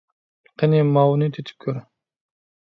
قېنى، ماۋۇنى تېتىپ كۆر!